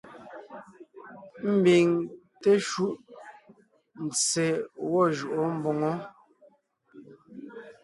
Ḿbiŋ teshúʼ, ntse gwɔ́ jʉʼó mboŋó.